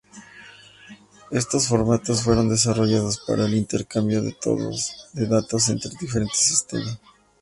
Estos formatos fueron desarrollados para el intercambio de datos entre diferentes sistemas.